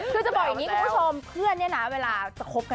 คุณผู้ชมเพื่อนเวลาจะคบกัน